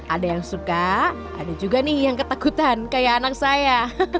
ada yang suka ada juga nih yang ketakutan kayak anak saya